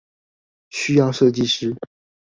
需要設計師